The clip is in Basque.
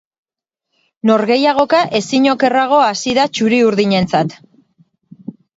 Norgehiagoka ezin okerrago hasi da txuri-urdinentzat.